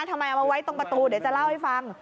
เอามาไว้ตรงประตูเดี๋ยวจะเล่าให้ฟัง